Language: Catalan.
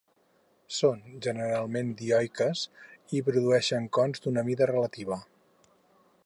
Són generalment dioiques i produeixen cons d'una mida relativa.